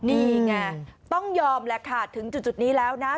นี่ไงต้องยอมแหละค่ะถึงจุดนี้แล้วนะ